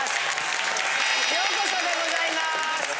ようこそでございます！